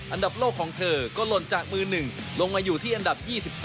อันดับโลกของเธอก็หล่นจากมือ๑ลงมาอยู่ที่อันดับ๒๒